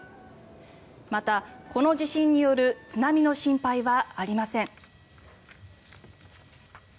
また、この地震による津波の心配はありません。